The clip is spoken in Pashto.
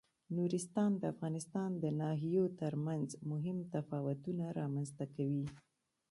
نورستان د افغانستان د ناحیو ترمنځ مهم تفاوتونه رامنځ ته کوي.